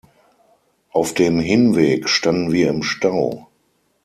Auf dem Hinweg standen wir im Stau.